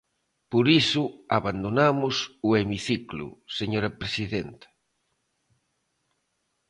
Por iso abandonamos o hemiciclo, señora presidenta.